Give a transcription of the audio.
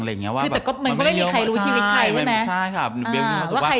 มันก็ไม่มีใครรู้ชีวิตใครใช่ไหม